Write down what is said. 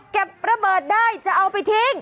ระเบิดได้จะเอาไปทิ้ง